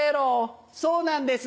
そうなんです